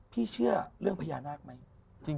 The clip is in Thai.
เชื่อเรื่องพญานาคไหม